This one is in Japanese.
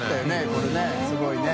これねすごいね。